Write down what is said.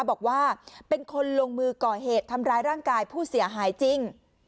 บอกว่าเป็นคนลงมือก่อเหตุทำร้ายร่างกายผู้เสียหายจริง